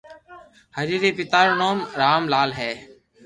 ھري ري پيتا رو نوم رام لال ھي